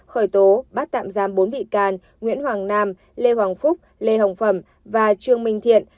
khởi tố bắt tạm giam bốn bị can nguyễn hoàng nam lê hoàng phúc lê hồng phẩm và trương minh thiện